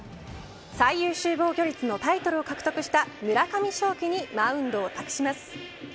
最優秀防御率のタイトルを獲得した村上頌樹にマウンドを託します。